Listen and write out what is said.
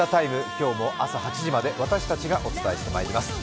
今日も朝８時まで私たちがお伝えしてまいります。